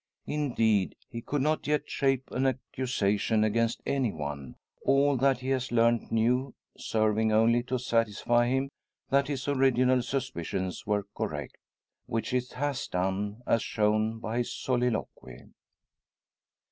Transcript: Indeed, he could not yet shape an accusation against any one, all that he has learnt new serving only to satisfy him that his original suspicions were correct; which it has done, as shown by his soliloquy.